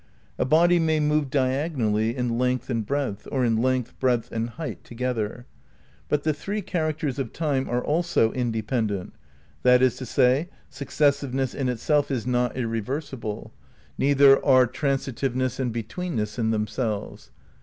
(A body may move diagonally in length and breadth, or in length, breadth and height together.) But the three characters of time are also independent. That is to say, successiveness in itself is not irreversible; neither 315 316 APPENDIX II Continued are transitiveness and betweenness in themselves.